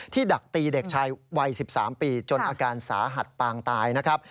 ดักตีเด็กชายวัย๑๓ปีจนอาการสาหัสปางตายนะครับ